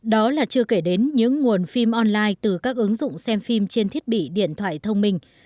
đó là chưa kể đến những nguồn phim online từ các ứng dụng xem phim trên thiết bị điện thoại thông minh